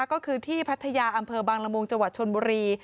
ก็คือที่พัทยาอำเภอบางละมงจชนบุรี